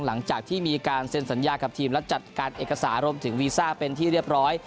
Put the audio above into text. หลังจากที่มีการเซ็นสัญญากับทีมและจัดการเอกสารรวมถึงวีซ่าเป็นที่เรียบร้อย